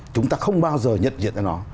chúng ta không bao giờ nhận diện ra nó